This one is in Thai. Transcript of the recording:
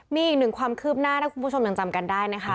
มีอีกหนึ่งความคืบหน้าถ้าคุณผู้ชมยังจำกันได้นะคะ